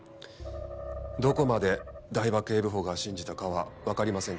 どこまで台場警部補が信じたかはわかりませんけどね。